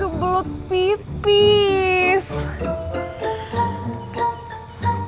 yaudah aku tunggu di mobil ya